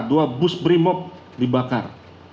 dua bus berimob dibakar